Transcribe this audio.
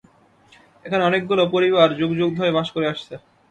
এখানে অনেকগুলা পরিবার যুগযুগ ধরে বাস করে আসছে।